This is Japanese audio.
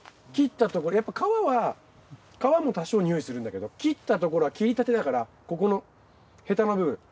切ったとこやっぱ皮は皮も多少においするんだけど切ったところは切りたてだからここのヘタの部分。